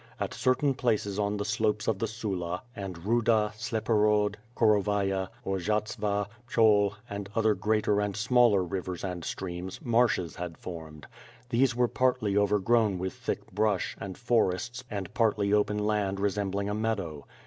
At certain places on the slopes of the Sula, and Ruda, Sleporod, Koro vaya, Orjavtsa, Pshol, and other greater and smaller rivers and streams, marshes had formed. These were partly over grown with thick brush, and forests, and partly open land re sembling a meadow.